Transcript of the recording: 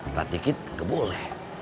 pelat dikit nggak boleh